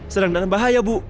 sedang dalam bahaya bu